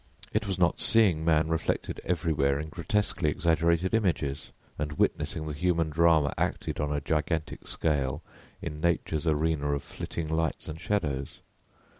It was not seeing man reflected everywhere in grotesquely exaggerated images, and witnessing the human drama acted on a gigantic scale in nature's arena of flitting lights and shadows.